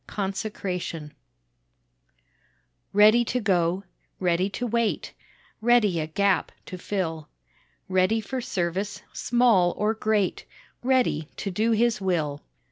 Consecration Ready to go, ready to wait, Ready a gap to fill; Ready for service, small or great, Ready to do His will.